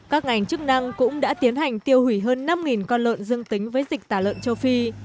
các ngành chức năng cũng đã tiến hành tiêu hủy hơn năm con lợn dương tính với dịch tả lợn châu phi